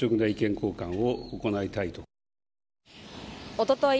おととい